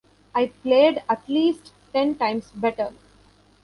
I played at least ten times better.